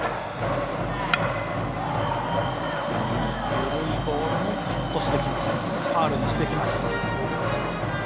緩いボールもファウルにしてきます。